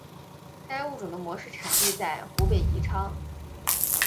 该物种的模式产地在湖北宜昌。